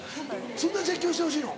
そんなに絶叫してほしいの？